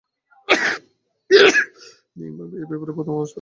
Sierra six যে নিয়ম ভাঙবে, এ ব্যাপারে প্রথম আভাস কখন পেয়েছিলে?